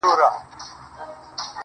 o هو رشتيا.